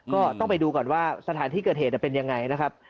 ก็ต้องไปดูก่อนว่าสถานที่เกิดเหตุเป็นยังไงนะครับ